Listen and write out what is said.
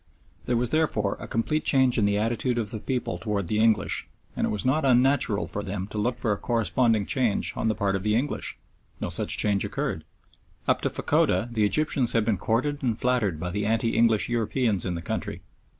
There was therefore a complete change in the attitude of the people towards the English, and it was not unnatural for them to look for a corresponding change on the part of the English. No such change occurred. Up to Fachoda the Egyptians had been courted and flattered by the anti English Europeans in the country.